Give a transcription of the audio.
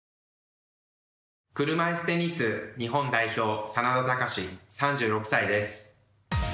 車いすテニス日本代表眞田卓、３６歳です。